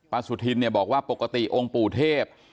ป้าศุธิลบอกว่าปกติองค์ปู่เทพ